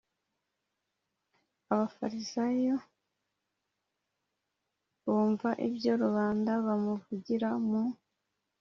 Abafarisayo bumva ibyo rubanda bamuvugira mu